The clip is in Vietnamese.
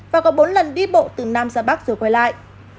và có bốn lần đi bộ từ nam ra bắc rồi quay lại